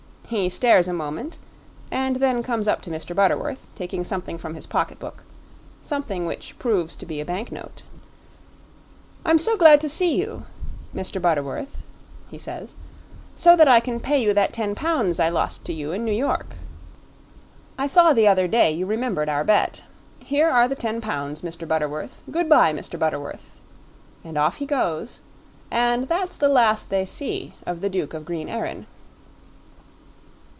He stares a moment and then comes up to Mr. Butterworth, taking something from his pocketbook something which proves to be a banknote. 'I'm glad to see you, Mr. Butterworth,' he says, 'so that I can pay you that ten pounds I lost to you in New York. I saw the other day you remembered our bet; here are the ten pounds, Mr. Butterworth. Goodbye, Mr. Butterworth.' And off he goes, and that's the last they see of the Duke of Green Erin."